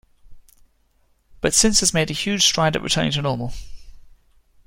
But since has made a huge stride at returning to normal.